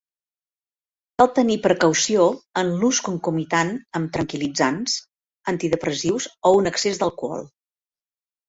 Cal tenir precaució en l'ús concomitant amb tranquil·litzants, antidepressius o un excés d'alcohol.